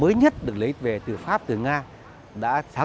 gián để kết quả bằng tiền b nachtan